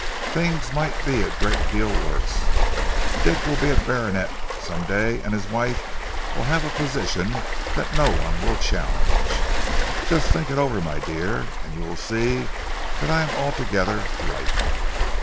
Things might be a great deal worse. Dick will be a baronet some day, and his wife will have a position that no one will challenge. Just think it over, my dear, and you will see that I am altogether right.